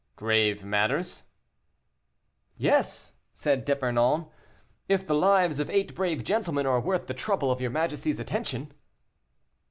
"Grave matters?" "Yes," said D'Epernon, "if the lives of eight brave gentlemen are worth the trouble of your majesty's attention."